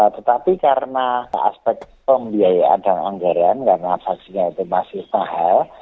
tetapi karena aspek pembiayaan dan anggaran karena vaksinnya itu masih mahal